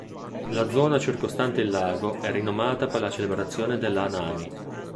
La zona circostante il lago è rinomata per la celebrazione dell'hanami.